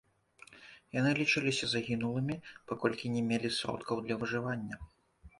Яны лічыліся загінулымі, паколькі не мелі сродкаў для выжывання.